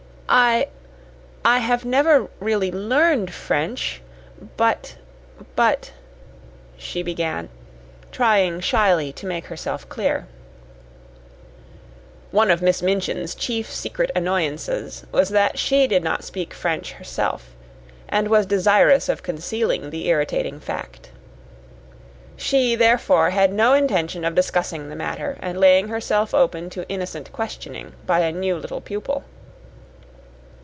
"I I have never really learned French, but but " she began, trying shyly to make herself clear. One of Miss Minchin's chief secret annoyances was that she did not speak French herself, and was desirous of concealing the irritating fact. She, therefore, had no intention of discussing the matter and laying herself open to innocent questioning by a new little pupil.